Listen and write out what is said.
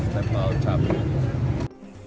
jadi kita harus berusaha untuk menerbangkannya